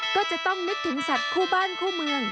ก็จะต้องนึกถึงสัตว์คู่บ้านคู่เมือง